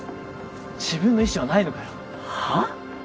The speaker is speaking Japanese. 自分の意思はないのかよはあ！？